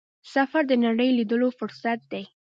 سفر د نړۍ لیدلو فرصت دی.